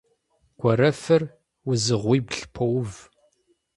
Гуэрэфыр узыгъуибл поув.